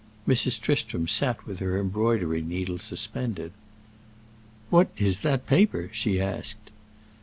Mrs. Tristram sat with her embroidery needle suspended. "What is that paper?" she asked.